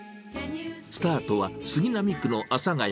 スタートは杉並区の阿佐谷。